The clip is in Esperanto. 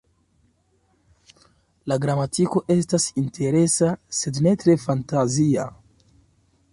La gramatiko estas interesa sed ne tre fantazia.